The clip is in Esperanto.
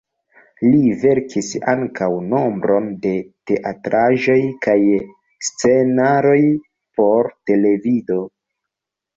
Li verkis ankaŭ nombron de teatraĵoj kaj scenaroj por televido.